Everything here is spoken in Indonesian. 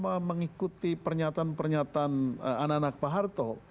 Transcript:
saya mengikuti pernyataan pernyataan anak anak pak harto